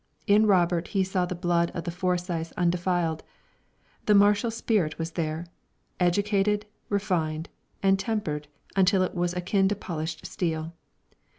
In Robert he saw the blood of the Forsyths undefiled the martial spirit was there, educated, refined, and tempered until it was akin to polished steel.